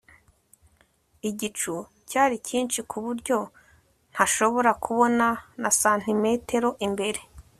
igicu cyari cyinshi kuburyo ntashobora kubona na santimetero imbere